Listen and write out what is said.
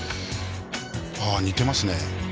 ああ似てますね。